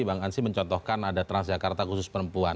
bang ansi mencontohkan ada transjakarta khusus perempuan